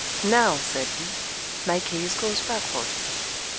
Now, said he, my case goes backward.